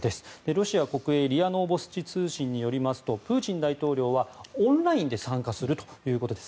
ロシア国営ＲＩＡノーボスチ通信によりますとプーチン大統領はオンラインで参加するということです。